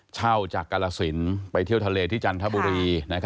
เช่าจากกรสินไปเที่ยวทะเลที่จันทบุรี